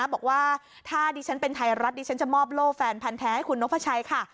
บอกว่าถ้าดิฉันเป็นไทยรัฐดิฉันจะมอบโล่แฟนพันธ์แท้ให้คุณนพชัยค่ะ